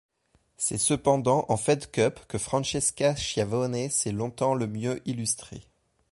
C'est cependant en Fed Cup que Francesca Schiavone s'est longtemps le mieux illustrée.